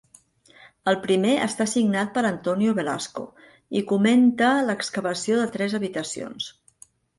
El primer està signat per Antonio Velasco i comenta l'excavació de tres habitacions.